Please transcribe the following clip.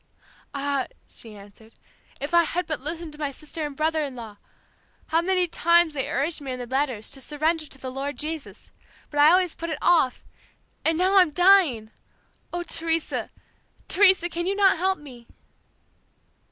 "'Ah.' she answered, if I had but listened to my sister and brother in law! How many times they urged me in their letters to surrender to the Lord Jesus, but I always put it off ... and now I'm dying! Oh, Teresa, Teresa, can you not help me?'"